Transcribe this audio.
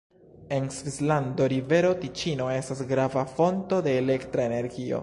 En Svislando rivero Tiĉino estas grava fonto de elektra energio.